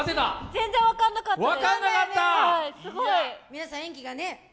全然分からなかったです。